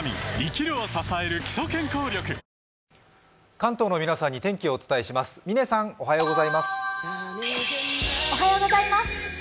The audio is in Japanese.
関東の皆さんに天気をお伝えします。